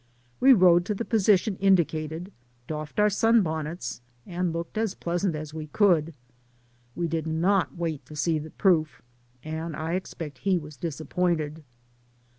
We rode to the position indicated, doffed our sun bonnets, and looked as pleasant as we could. We did not wait to see the proof, and I expect he was disap pointed.